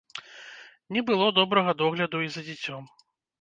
Не было добрага догляду і за дзіцём.